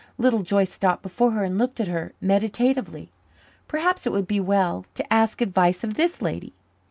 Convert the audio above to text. Little Joyce stopped before her and looked at her meditatively. Perhaps it would be well to ask advice of this lady.